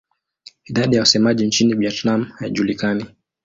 Idadi ya wasemaji nchini Vietnam haijulikani.